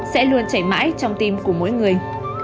sẽ luôn chảy mãi trong tim của mỗi người